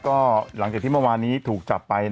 ก็หลังจากที่เมื่อวานนี้ถูกจับไป